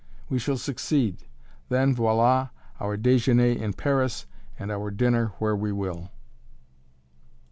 We shall succeed! Then Voilà! our déjeuner in Paris and our dinner where we will."